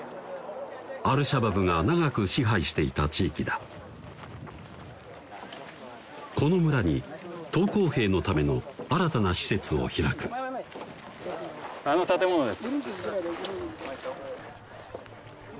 アルシャバブが長く支配していた地域だこの村に投降兵のための新たな施設を開くあの建物です